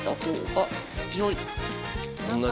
あっ。